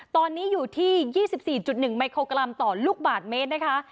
ตอนนี้อยู่ที่๒๔๑มิโครกรัมต่อลูกบาทเมตรนะคะ